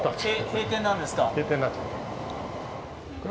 閉店なんですか？